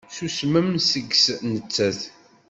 Tusmem seg-s nettat?